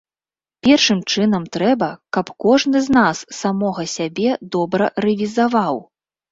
Першым чынам трэба, каб кожны з нас самога сябе добра рэвізаваў.